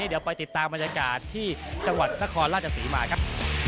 เดี๋ยวไปติดตามบรรยากาศที่จังหวัดนครราชศรีมาครับ